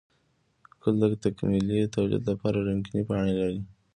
گل د تکميلي توليد لپاره رنګينې پاڼې لري